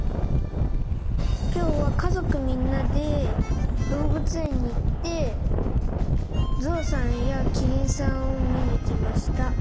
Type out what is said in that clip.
きょうはかぞくみんなでどうぶつえんにいってぞうさんやきりんさんをみにいきました。